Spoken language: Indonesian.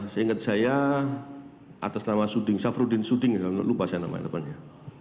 seingat saya atas nama suding safruddin suding lupa saya namanya depannya